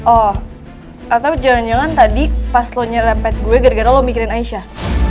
oh atau jangan jangan tadi pas lo nya repet gue gara gara lo mikirin aisyah